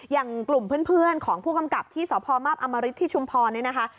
อย่างกลุ่มเพื่อนของผู้กำกับที่สพมาพออมริตที่ชุมพรเนี่ยนะคะ